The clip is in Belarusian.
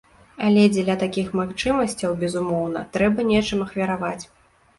Але дзеля такіх магчымасцяў, безумоўна, трэба нечым ахвяраваць.